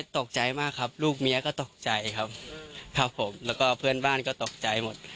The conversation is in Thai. ตกใจมากครับลูกเมียก็ตกใจครับครับผมแล้วก็เพื่อนบ้านก็ตกใจหมด